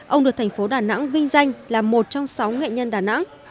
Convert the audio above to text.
ông được thành phố đà nẵng vinh danh là một trong sáu nghệ nhân đà nẵng